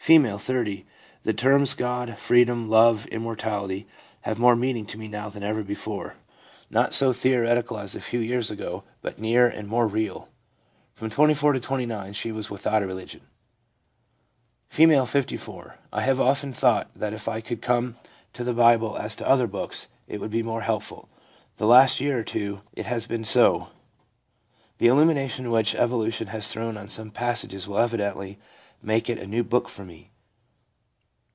30. * The terms God, freedom, love and immortality have more meaning to me now than ever before, not so ADULT LIFE— PERIOD OF RECONSTRUCTION 279 theoretical as a few years ago, but nearer and more real 5 (from 24 to 29 she was ' without a religion '). F., 54. ' I have often thought that if I could come to the Bible as to other books it would be more helpful. The last year or two it has been so ; the illumination which evolution has thrown on some passages will eventually make it a new book for me.'